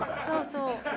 そうそう。